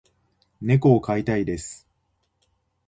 猫を飼いたいです。